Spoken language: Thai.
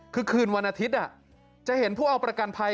คือคืนวันอาทิตย์จะเห็นผู้เอาประกันภัย